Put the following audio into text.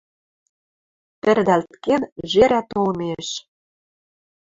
Пӹрдӓлт кен, жерӓ толмеш.